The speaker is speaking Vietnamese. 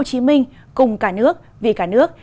thành phố hồ chí minh cùng cả nước vì cả nước